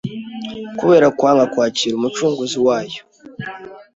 kubera kwanga kwakira Umucunguzi wayo